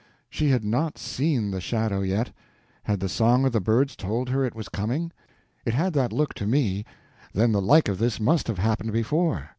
She had not seen the shadow yet. Had the song of the birds told her it was coming? It had that look to me. Then the like of this must have happened before.